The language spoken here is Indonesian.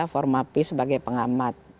for mapi sebagai pengamat